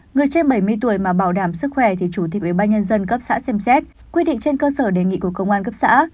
người trên bảy mươi tuổi mà bảo đảm sức khỏe thì chủ tịch ubnd cấp xã xem xét quy định trên cơ sở đề nghị của công an cấp xã